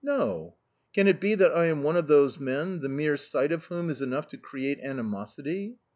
No. Can it be that I am one of those men the mere sight of whom is enough to create animosity?"